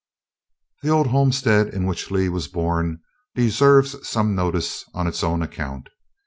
The old homestead in which Lee was born deserves some notice on its own account.